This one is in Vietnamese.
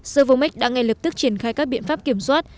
servomec đã ngay lập tức triển khai các biện pháp kiểm soát